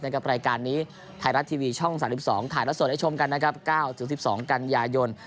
ในกับรายการนี้ไทยรัฐทีวีช่อง๓๒ถ่ายรัฐสดให้ชมกัน๙๑๒กันยายน